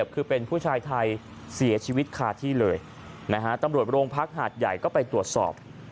คือเป็นผู้ชายไทยเสียชีวิตคาที่เลยตำรวจโรงพักหาดใหญ่ก็ไปตรวจสอบ